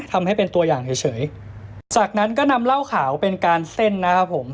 ทำให้เป็นตัวอย่างเฉยเฉยจากนั้นก็นำเหล้าขาวเป็นการเส้นนะครับผม